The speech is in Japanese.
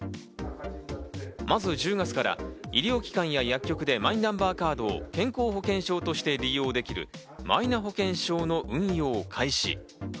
まず１０月から医療機関や薬局でマイナンバーカードを健康保険証として利用できるマイナ保険証の運用を開始。